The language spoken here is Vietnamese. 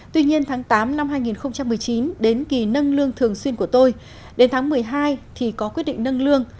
tuy nhiên tháng tám năm hai nghìn một mươi chín đến kỳ nâng lương thường xuyên của tôi đến tháng một mươi hai thì có quyết định nâng lương